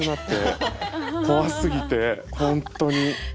怖すぎて本当に。